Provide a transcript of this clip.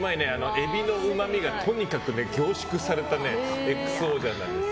エビのうまみがとにかく凝縮されたＸＯ醤です。